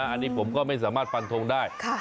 อันนี้ผมก็ไม่สามารถฟันทงได้